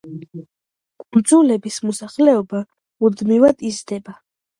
კუნძულების მოსახლეობა მუდმივად იზრდება.